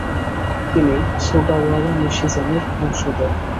তুমি সুগাওয়ারা মিশিজেনের বংশধর!